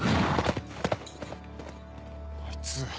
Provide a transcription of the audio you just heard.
あいつ。